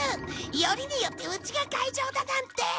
よりによってうちが会場だなんて！